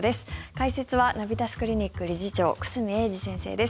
解説はナビタスクリニック理事長久住英二先生です。